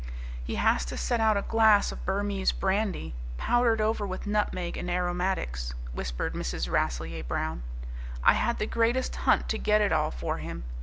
"He has to set out a glass of Burmese brandy, powdered over with nutmeg and aromatics," whispered Mrs. Rasselyer Brown. "I had the greatest hunt to get it all for him.